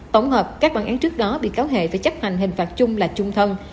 tổng hợp các bản án trước đó bị cáo hệ phải chấp hành hình phạt chung là chung thân